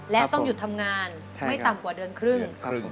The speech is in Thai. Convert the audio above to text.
และต้องหยุดทำงานไม่ต่ำกว่าเดือนครึ่ง